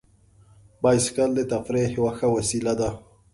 بایسکل د تفریح یوه ښه وسیله ده.